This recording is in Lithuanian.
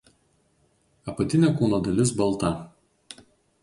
Apatinė kūno dalis balta.